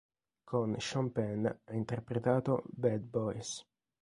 Con Sean Penn ha interpretato "Bad Boys".